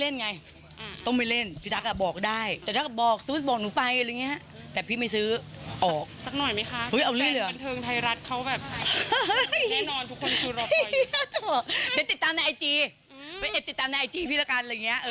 น้องเขาถือเลขกันอยู่นะครับ